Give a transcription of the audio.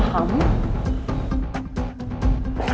aduh aku mau pulang